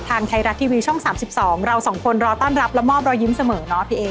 ทางไทยรัฐทีวีช่อง๓๒เราสองคนรอต้อนรับและมอบรอยยิ้มเสมอเนาะพี่เอ